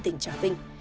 tỉnh trà vinh